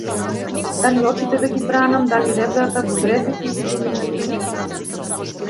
Дали очите да ги бранам, дали ребрата, бубрезите или гениталиите?